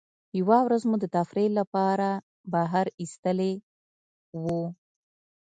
یوه ورځ مو د تفریح له پاره بهر ایستلي وو.